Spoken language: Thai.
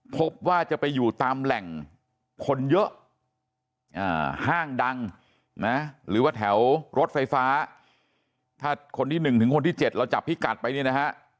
พบว่าจะไปอยู่ตามแหล่งคนเยอะห้างดังนะหรือว่าแถวรถไฟฟ้าถ้าคนที่๑ถึงคนที่๗เราจับพิกัดไปเนี่ยนะฮะ